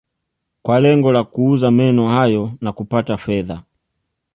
Kwa lengo la kuuza meno hayo na kupata fedha